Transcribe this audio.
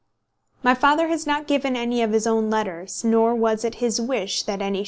My father has not given any of his own letters, nor was it his wish that any should be published.